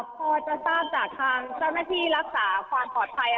พอจะทราบจากทางเจ้าหน้าที่รักษาความปลอดภัย